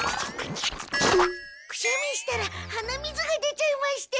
くしゃみしたら鼻水が出ちゃいまして。